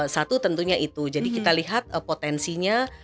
satu tentunya itu jadi kita lihat potensinya